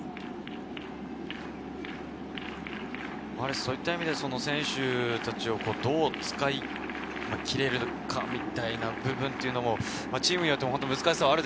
そういった意味で選手たちをどう使い切れるかみたいな部分もチームによって難しさがある